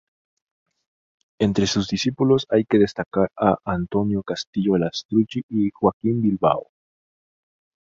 Entre sus discípulos hay que destacar a Antonio Castillo Lastrucci y Joaquín Bilbao.